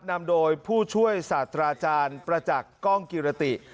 นำโดยผู้ช่วยศาสตราอาจารย์ประจักษ์กล้องกิรติ